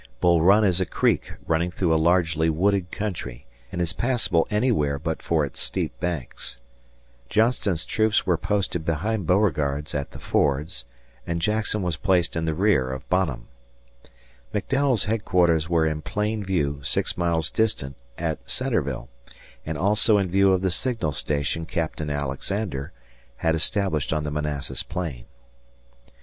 Bull Run is a creek running through a largely wooded country, and is passable anywhere but for its steep banks. Johnston's troops were posted behind Beauregard's at the fords, and Jackson was placed in the rear of Bonham. McDowell's headquarters were in plain view six miles distant at Centreville and also in view of the signal station Captain Alexander had established on the Manassas plain.